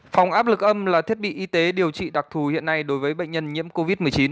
phòng áp lực âm là thiết bị y tế điều trị đặc thù hiện nay đối với bệnh nhân nhiễm covid một mươi chín